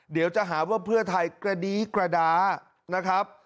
เดี๋ยวจะหาว่าเพื่อไทยกระดี้กระดานะครับ